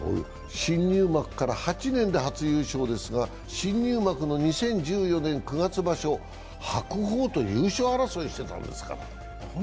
新入幕から８年で初優勝ですが、新入幕の２０１４年９月場所、白鵬と優勝争いしてたんですから。